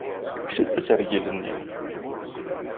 Tekkes-d asergel-nni.